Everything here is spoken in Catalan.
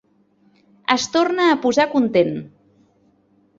Es torna a posar content.